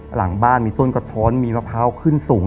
หลังบ้านมีต้นกระท้อนมีมะพร้าวขึ้นสูง